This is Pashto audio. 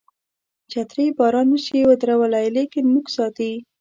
چترۍ باران نشي ودرولای لیکن موږ ساتي.